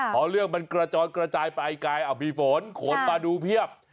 เพราะเรื่องมันกระจอนกระจายไปไอ้กายอภีฝนโขนปลาดูเพียบ